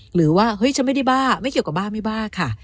หรือว่าเฮ้ยฉันไม่ได้บ้าไม่เกี่ยวกับบ้าไม่บ้าค่ะ